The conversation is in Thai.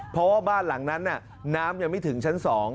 เพราะว่าบ้านหลังนั้นน้ำยังไม่ถึงชั้น๒